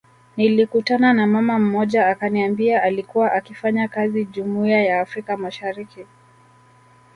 Nilikutana na mama mmoja akaniambia alikua akifanya kazi jumuiya ya afrika mashariki